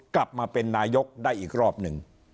กลับมาเป็นนายกได้อีกรอบหนึ่ง